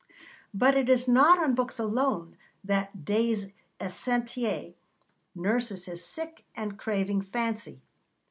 But it is not on books alone that Des Esseintes nurses his sick and craving fancy.